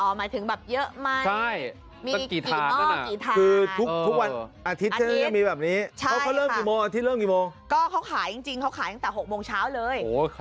อ๋อหมายถึงแบบเยอะไหม